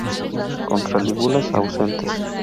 Contra-lígulas ausentes.